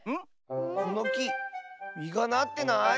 このきみがなってない？